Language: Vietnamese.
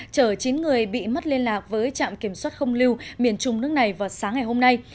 chở chín người bị mất liên lạc với trạm kiểm soát không lưu miền trung nước này vào sáng ngày hôm nay